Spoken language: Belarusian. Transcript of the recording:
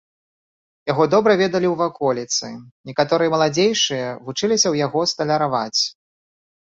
Яго добра ведалі ў ваколіцы, некаторыя маладзейшыя вучыліся ў яго сталяраваць.